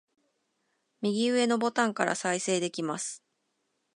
右上のボタンから再生できます